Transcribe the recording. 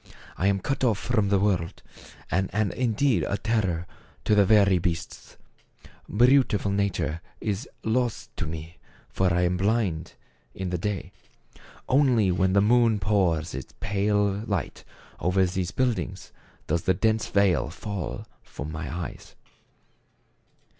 I am cut off from the world, and am indeed a terror to the very beasts ! Beautiful nature is lost to me ; for I am blind in 100 THE CAE A VAN. the clay; only when the moon pours its pale light over these buildings does the dense veil fall from my eyes."